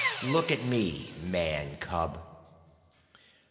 Look at me, Man cub!"